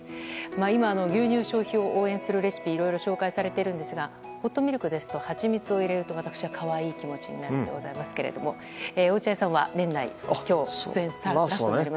今、牛乳消費を応援するレシピいろいろ紹介されていますがホットミルクですとハチミツを入れると私は可愛い気持ちになりますがさて、落合さんは年内今日出演がラスト。